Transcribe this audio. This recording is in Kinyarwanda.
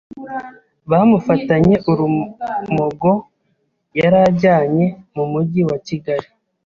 Bamufatanye urumogo yari ajyanye mu Mujyi wa Kigali.